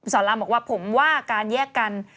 สอนรามบอกว่าผมว่าการแยกกัน